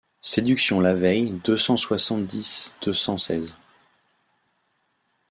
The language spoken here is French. Séduction Lavieille deux cent soixante-dix deux cent seize.